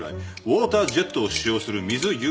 ウオータージェットを使用する水誘雷。